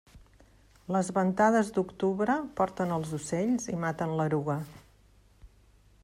Les ventades d'octubre porten els ocells i maten l'eruga.